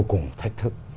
cùng thách thức